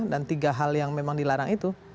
dan tiga hal yang memang dilarang itu